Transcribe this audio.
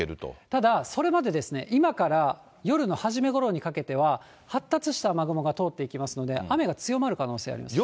ただそれまで、今から夜の初めごろにかけては、発達した雨雲が通っていきますので、雨が強まる可能性あります。